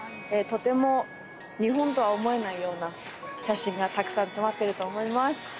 とても日本とは思えないような写真が沢山詰まってると思います。